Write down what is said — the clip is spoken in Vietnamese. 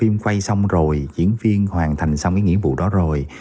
một diễn viên hoàn thành xong cái nghĩa vụ đó rồi